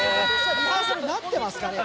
リハーサルになってますかね。